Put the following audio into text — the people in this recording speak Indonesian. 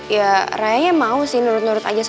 ya rayanya mau sih nurut nurut aja sama mondi